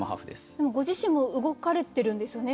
でもご自身も動かれてるんですよね？